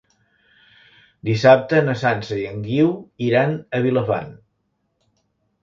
Dissabte na Sança i en Guiu iran a Vilafant.